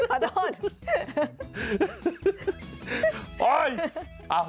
อ้าวขอโทษ